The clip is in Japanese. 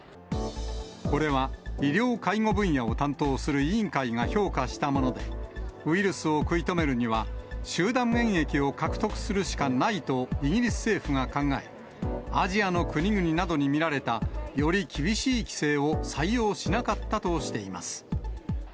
これは医療介護分野を担当する委員会が評価したもので、ウイルスを食い止めるには、集団免疫を獲得するしかないとイギリス政府が考え、アジアの国々などに見られた、より厳しい規制を採用しなかったとしています。